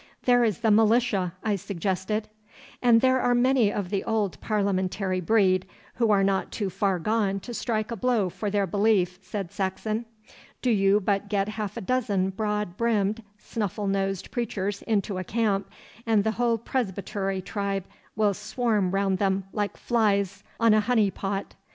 'There is the militia,' I suggested. 'And there are many of the old parliamentary breed, who are not too far gone to strike a blow for their belief,' said Saxon. 'Do you but get half a dozen broad brimmed, snuffle nosed preachers into a camp, and the whole Presbytery tribe will swarm round them like flies on a honey pot.